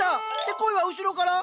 声は後ろから？